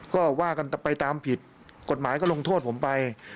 ก็ว่ากันไปตามผิดกฎหมายก็ลงโทษผมไป